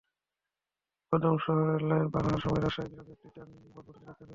কদমশহর rail line পার হওয়ার সময় রাজশাহীগামী একটি ট্রেন ভটভটিতে ধাক্কা দেয়।